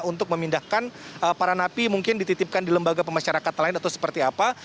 untuk memindahkan para napi mungkin dititipkan di lembaga pemasyarakatan lain atau seperti apa